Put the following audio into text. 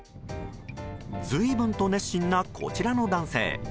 随分と熱心な、こちらの男性。